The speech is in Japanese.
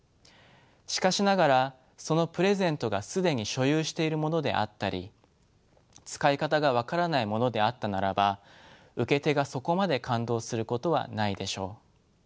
しかしながらそのプレゼントが既に所有しているものであったり使い方が分からないものであったならば受け手がそこまで感動することはないでしょう。